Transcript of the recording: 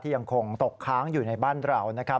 ยังคงตกค้างอยู่ในบ้านเรานะครับ